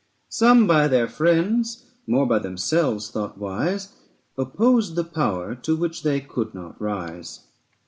Some by their friends, more by themselves thought wise, Opposed the power to which they could not rise.